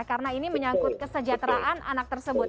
karena ini menyangkut kesejahteraan anak tersebut